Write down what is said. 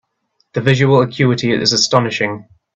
The visual acuity is astonishing.